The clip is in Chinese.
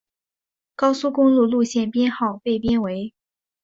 高速公路路线编号被编为。